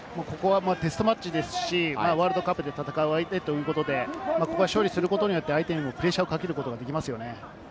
テストマッチですし、ワールドカップで戦う相手ということで、ここで勝利するということによって、相手にプレッシャーをかけることができますよね。